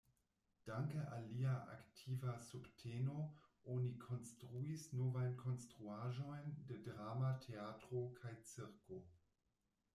Danke al lia aktiva subteno oni konstruis novajn konstruaĵojn de drama teatro kaj cirko.